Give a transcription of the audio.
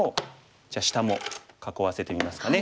じゃあ下も囲わせてみますかね。